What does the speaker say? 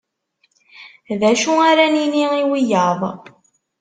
D acu ara nini i wiyaḍ